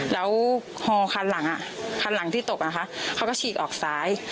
แล้วฮอคันหลังคันหลังที่ตกเขาก็ฉีกออกซ้าย